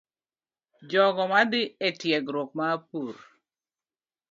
Jogo madhi e tiegruok mar pur,